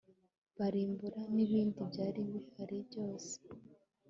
barimbura n'ibindi byari bihari byose